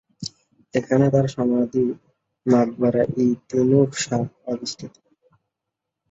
এখানে তার সমাধি মাকবারা-ই-তিমুর শাহ অবস্থিত।